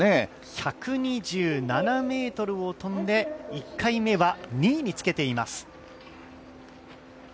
１２７ｍを飛んで１回目は２位につけています。